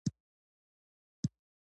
په نولسمه پېړۍ کې لیکل شویو آثارو کې.